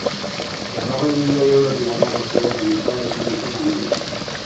Berrogei milioi eurotik gorako zigorraren itzala izan dute gainean.